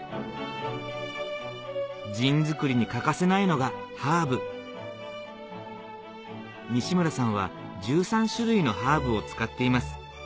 ジン造りに欠かせないのがハーブ西村さんは１３種類のハーブを使っています